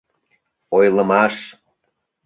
Ойлымаш